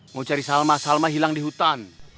mau cari salma salma hilang di hutan